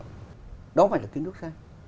đó không phải là kiến trúc xanh